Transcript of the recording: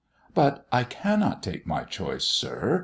"But I cannot take my choice, sir!"